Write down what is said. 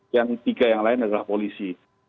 yang tiga yang lain adalah polisi